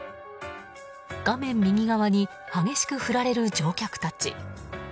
画面右側に激しく振られる乗客たち。